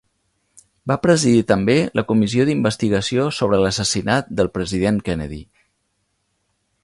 Va presidir també la comissió d'investigació sobre l'assassinat del president Kennedy.